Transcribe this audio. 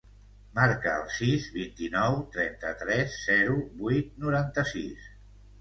Marca el sis, vint-i-nou, trenta-tres, zero, vuit, noranta-sis.